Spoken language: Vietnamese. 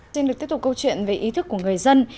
xin được tiếp tục câu chuyện về ý thức của người dân